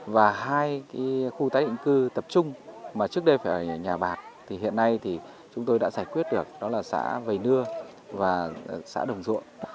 và hai cái khu tái định cư tập trung mà trước đây phải ở nhà bạc thì hiện nay thì chúng tôi đã giải quyết được đó là xã vầy nưa và xã đồng duộng